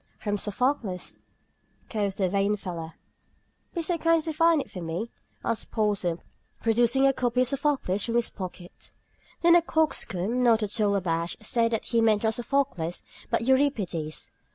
"From Sophocles," quoth the vain fellow. "Be so kind as to find it for me?" asked Porson, producing a copy of Sophocles from his pocket. Then the coxcomb, not at all abashed, said that he meant not Sophocles, but Euripides.